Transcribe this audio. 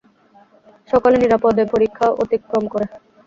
সকলে নিরাপদে পরিখা অতিক্রম করে।